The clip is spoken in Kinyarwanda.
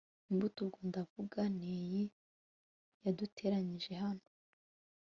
imbuto, ubwo ndavuga n'iyi yaduteranyirije hano